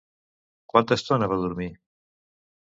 Quanta estona va dormir?